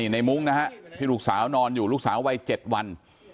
มุ้งนะฮะที่ลูกสาวนอนอยู่ลูกสาววัย๗วัน